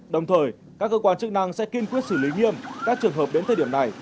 đồng thời các cơ quan chức năng sẽ kiên quyết xử lý nghiêm các trường hợp đến thời điểm này